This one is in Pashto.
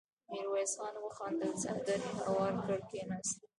ميرويس خان وخندل، څادر يې هوار کړ، کېناست.